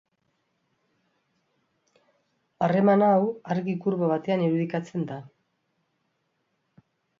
Harreman hau argi kurba batean irudikatzen da.